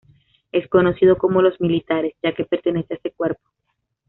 Es conocido como "los militares" ya que pertenece a ese cuerpo.